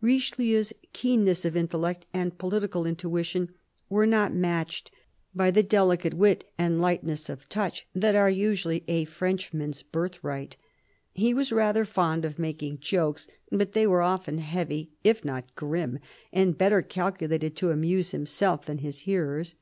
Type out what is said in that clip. Richelieu's keenness of intellect and political intuition were not matched by the delicate wit and lightness of THE CARDINAL 243 touch that are usually a Frenchman's birthright. He was rather fond of making jokes, but they were often heavy, if not grim, and better calculated to amuse himself than his hearers.